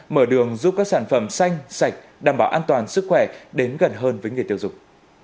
mở đường giúp các sản phẩm xanh sạch đảm bảo an toàn sức khỏe đến gần hơn với người tiêu dùng